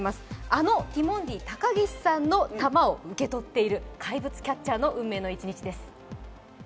あのティモンディたかぎしさんの球を受け取っている怪物キャッチャーの運命の一日です。